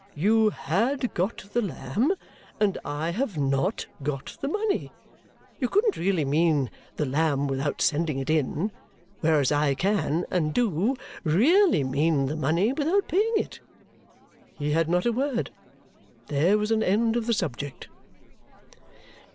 You HAD got the lamb, and I have NOT got the money. You couldn't really mean the lamb without sending it in, whereas I can, and do, really mean the money without paying it!' He had not a word. There was an end of the subject."